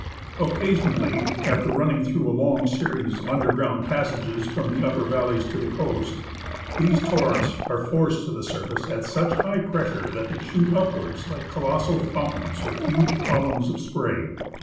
Occasionally, after running through a long series of underground passages from the upper valleys to the coast, these torrents are forced to the surface at such high pressure that they shoot upwards like colossal fountains with huge columns of spray.